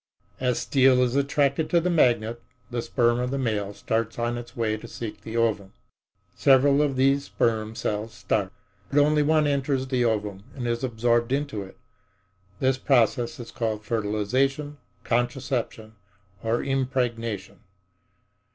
As steel is attracted to the magnet, the sperm of the male starts on its way to seek the ovum. Several of these sperm cells start, but only one enters the ovum and is absorbed into it. This process is called fertilization, conception or impregnation.